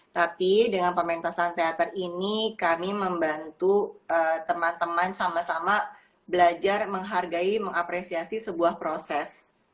tapi dengan pementasan teater ini kami membantu teman teman sama sama belajar menghargai mengapresiasi sebuah proses